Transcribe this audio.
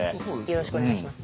よろしくお願いします。